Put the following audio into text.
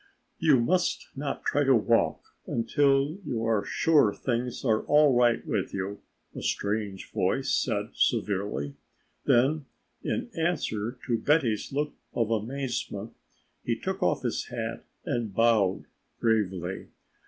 "You must not try to walk until you are sure things are all right with you," a strange voice said severely. Then, in answer to Betty's look of amazement, he took off his hat and bowed gravely.